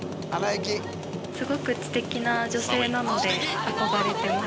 すごく知的な女性なので、憧れてます。